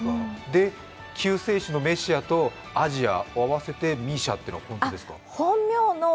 救世主のメシアとアジアを合わせてＭＩＳＩＡだって本当ですか？